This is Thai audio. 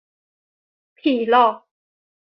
ผีหลอก !